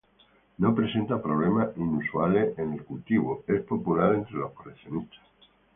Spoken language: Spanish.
No presenta problemas inusuales en el cultivo; es popular entre los coleccionistas.